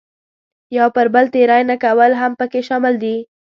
یو پر بل تېری نه کول هم پکې شامل دي.